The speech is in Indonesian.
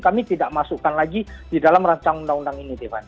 kami tidak masukkan lagi di dalam rancang undang undang ini